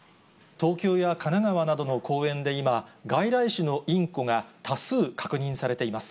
東京や神奈川などの公園で今、外来種のインコが多数確認されています。